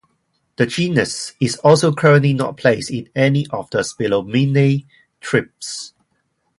The genus is also currently not placed in any of the Spilomelinae tribes.